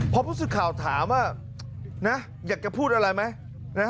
พอผู้สื่อข่าวถามว่านะอยากจะพูดอะไรไหม